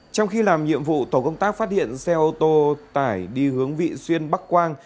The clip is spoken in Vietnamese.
trong khi làm nhiệm vụ tổ công tác phát hiện xe ô tô tải đi hướng vị xuyên bắc quang